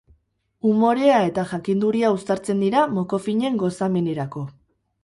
Umorea eta jakinduria uztartzen dira mokofinen gozamenerako.